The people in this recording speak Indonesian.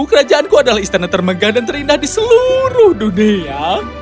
kerajaanku adalah istana termegah dan terindah di seluruh dunia